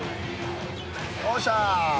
おっしゃ。